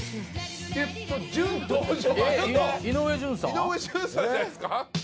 井上順さんじゃないっすか？